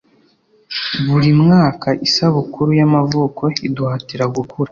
buri mwaka isabukuru yamavuko iduhatira gukura